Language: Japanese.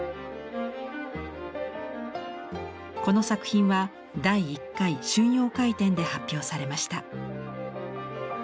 この作品は第１回春陽会展で発表されました。